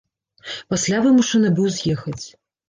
Пасля вымушаны быў з'ехаць.